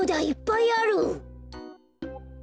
いっぱいある！